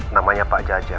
namanya pak jajah